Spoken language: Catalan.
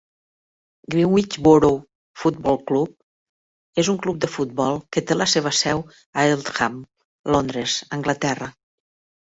Greenwich Borough Football Club és un club de futbol que té la seva seu a Eltham, Londres, Anglaterra.